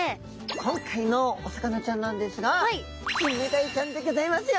今回のお魚ちゃんなんですがキンメダイちゃんでギョざいますよ。